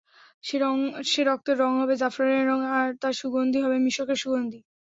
সে রক্তের রং হবে জাফরানের রং আর তার সুগন্ধি হবে মিশকের সুগন্ধি।